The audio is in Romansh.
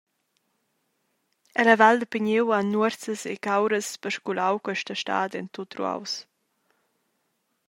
Ella val da Pigniu han nuorsas e cauras pasculau questa stad en tut ruaus.